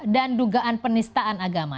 dan dugaan penistaan agama